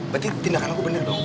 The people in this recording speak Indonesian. berarti tindakan aku benar dong